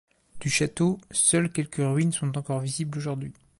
Du château, seules quelques ruines sont encore visibles aujourd'hui.